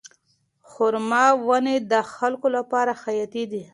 خورما ونې د خلکو لپاره حیاتي دي.